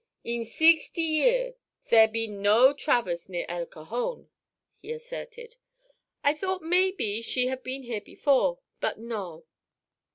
"In seexty year there be no Travers near El Cajon," he asserted. "I thought maybe she have been here before. But no.